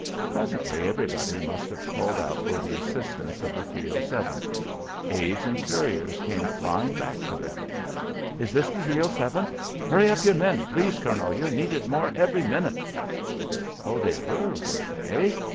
Presently everybody must have called out for the assistance of the 307th. Aides and couriers came flying back to them. "Is this the 307th? Hurry up your men, please, Colonel. You're needed more every minute." Oh, they were, were they?